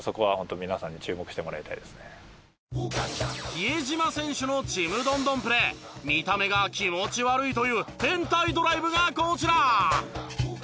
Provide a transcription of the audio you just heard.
比江島選手のちむどんどんプレー見た目が気持ちが悪いという変態ドライブがこちら！